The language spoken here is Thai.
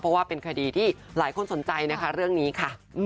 เพราะว่าเป็นคดีที่หลายคนสนใจนะคะเรื่องนี้ค่ะ